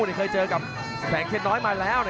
อื้อหือจังหวะขวางแล้วพยายามจะเล่นงานด้วยซอกแต่วงใน